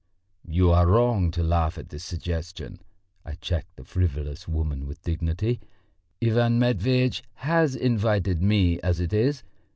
"You are wrong to laugh at this suggestion" I checked the frivolous woman with dignity "Ivan Matveitch has invited me as it is.